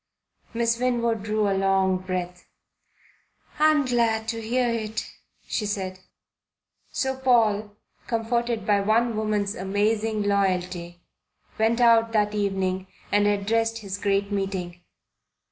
Miss Winwood drew a long breath. "I'm glad to hear it," she said. So Paul, comforted by one woman's amazing loyalty, went out that evening and addressed his great meeting.